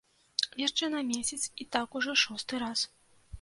Яшчэ на месяц, і так ужо шосты раз.